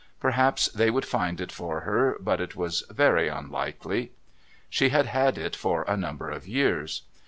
Perhaps they would find it for her, but it was very unlikely. She had had it for a number of years.